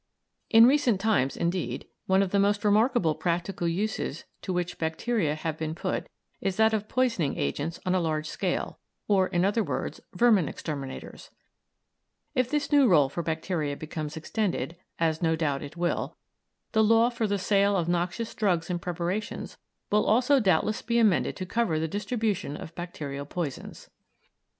In recent times, indeed, one of the most remarkable practical uses to which bacteria have been put is that of poisoning agents on a large scale, or in other words vermin exterminators; if this new rôle for bacteria becomes extended, as no doubt it will, the law for the sale of noxious drugs and preparations will also doubtless be amended to cover the distribution of bacterial poisons.